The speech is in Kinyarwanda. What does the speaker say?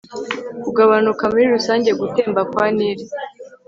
kugabanuka muri rusange gutemba kwa nili